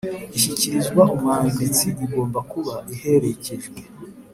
Ishyikirizwa umwanditsi igomba kuba iherekejwe